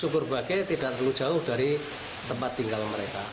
terima kasih tidak terlalu jauh dari tempat tinggal mereka